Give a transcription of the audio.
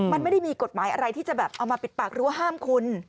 มันไม่ได้มีกฎหมายอะไรที่จะแบบเอามาปิดปากรั้วห้ามคุณ